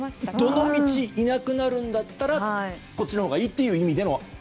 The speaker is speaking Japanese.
どのみちいなくなるんだったらこっちのほうがいいという意味での。